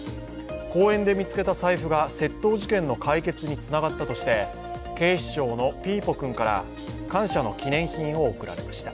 公園で見つけた財布が窃盗事件の解決につながったとして警視庁のピーポくんから感謝の記念品を贈られました。